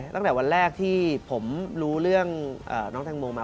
ตั้งแต่วันแรกที่ผมรู้เรื่องน้องแตงโมมา